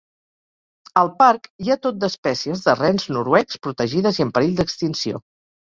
Al parc hi ha tot d'espècies de rens noruecs protegides i en perill d'extinció.